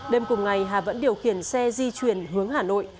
đêm cùng ngày hà vẫn điều khiển xe di chuyển hướng hà nội